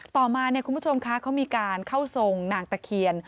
ต่อมาคุณผู้ชมคะเขามีการเข้าทรงนางตะเคียน